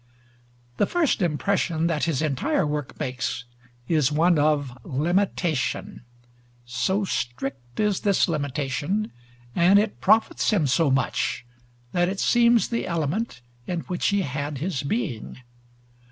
The first impression that his entire work makes is one of limitation; so strict is this limitation, and it profits him so much, that it seems the element in which he had his being.